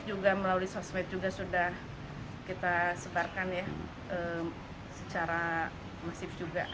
juga melalui sosmed juga sudah kita sebarkan ya secara masif juga